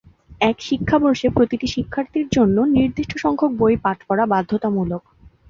এক শিক্ষাবর্ষে প্রতিটি শিক্ষার্থীর জন্য নির্দিষ্ট সংখ্যক বই পাঠ করা বাধ্যতামূলক।